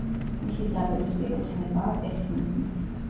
მისი საპირისპირო ცნებაა პესიმიზმი.